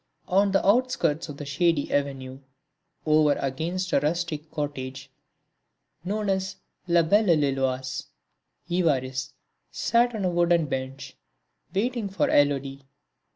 On the outskirts of the shady avenue, over against a rustic cottage known as La Belle Lilloise, Évariste sat on a wooden bench waiting for Élodie.